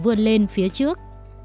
vươn lên phía trước